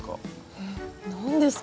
えっ何ですか？